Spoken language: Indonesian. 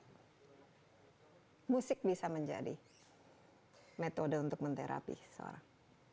musik bisa menjadi metode untuk menterapi seorang